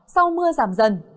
sau mưa giảm dần